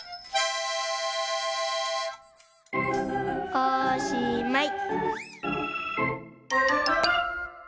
おしまい！